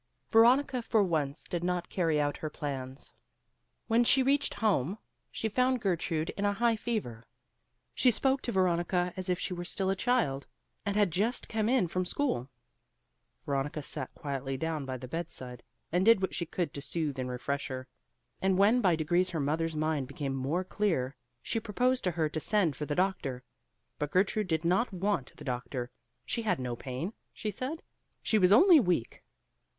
Veronica for once did not carry out her plans. When she reached home she found Gertrude in a high fever. She spoke to Veronica as if she were still a child, and had just come in from school. Veronica sat quietly down by the bedside, and did what she could to soothe and refresh her, and when by degrees her mother's mind became more clear, she proposed to her to send for the doctor. But Gertrude did not want the doctor. She had no pain, she said; she was only weak.